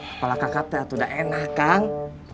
kepala kakap itu sudah enak kak